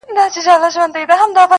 دلته حمزه بابا په لاشعوري ډول منلې